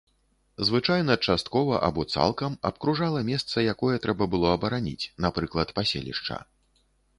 Звычайна, часткова або цалкам, абкружала месца, якое трэба было абараніць, напрыклад, паселішча.